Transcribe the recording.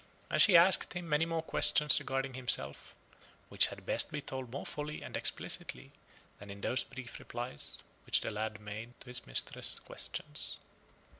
And she asked him many more questions regarding himself, which had best be told more fully and explicitly than in those brief replies which the lad made to his mistress's questions.